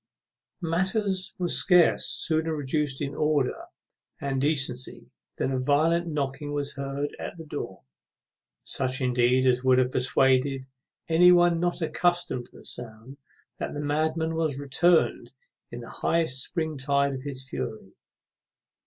_ Matters were scarce sooner reduced into order and decency than a violent knocking was heard at the door, such indeed as would have persuaded any one not accustomed to the sound that the madman was returned in the highest spring tide of his fury.